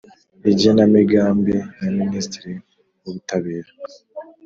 Igenamigambi na Minisitiri w Ubutabera